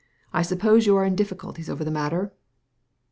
I suppose you are in difficulties over the matter